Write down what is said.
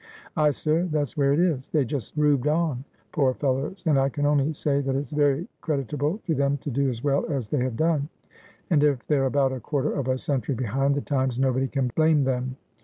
' Ay, sir, that's where it is. They just roobed on, poor fel lows. And I can only say that it's very creditable to them to do as well as they have done, and if they're about a quarter of a century behind the times nobody can blame them.'